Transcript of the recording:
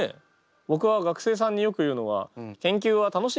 ぼくは学生さんによく言うのは研究は楽しいことですと。